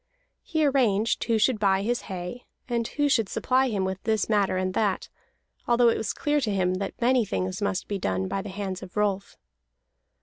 He arranged who should buy his hay, and who should supply him with this matter and that, although it was clear that many things must be done by the hands of Rolf.